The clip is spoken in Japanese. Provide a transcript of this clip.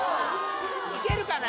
・いけるかな？